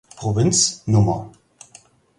Provinz Nr.